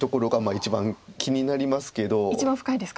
一番深いですか